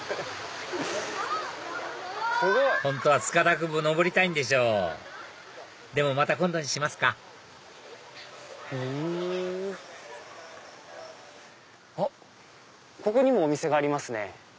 本当は塚田君も登りたいんでしょうでもまた今度にしますかここにもお店がありますね。